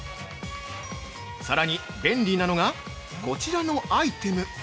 さらに、便利なのがこちらのアイテム！